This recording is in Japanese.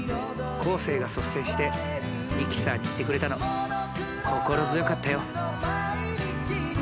生が率先してミキサーに行ってくれたの心強かったよ。